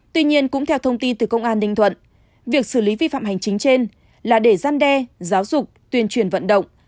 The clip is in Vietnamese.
tuy nhiên cũng theo thông tin từ công an ninh thuận việc xử lý vi phạm hành chính trên là để gian đe giáo dục tuyên truyền vận động